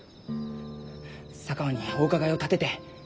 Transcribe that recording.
佐川にお伺いを立てて！